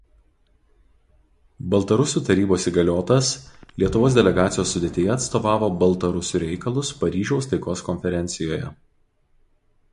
Baltarusių tarybos įgaliotas Lietuvos delegacijos sudėtyje atstovavo baltarusių reikalus Paryžiaus taikos konferencijoje.